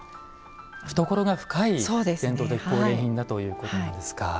懐が深い伝統的工芸品だということなんですか。